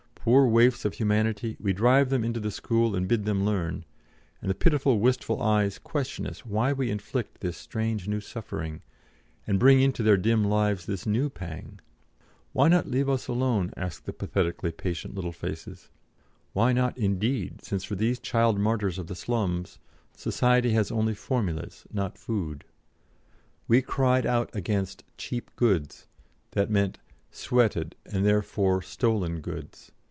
Poor waifs of humanity, we drive them into the school and bid them learn; and the pitiful, wistful eyes question us why we inflict this strange new suffering, and bring into their dim lives this new pang. 'Why not leave us alone? 'ask the pathetically patient little faces. Why not, indeed, since for these child martyrs of the slums, Society has only formulas, not food." We cried out against "cheap goods," that meant "sweated and therefore stolen goods."